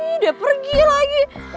ih dia pergi lagi